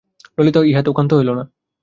ললিতা ইহাতেও ক্ষান্ত হইল না।